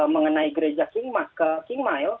mengenai gereja king mile